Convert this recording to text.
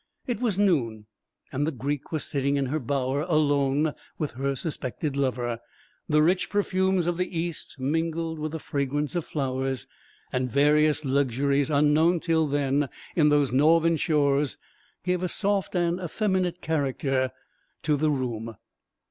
It was noon, and the Greek was sitting in her bower alone with her suspected lover; the rich perfumes of the East mingled with the fragrance of flowers, and various luxuries, unknown till then in those northern shores, gave a soft and effeminate character to the room.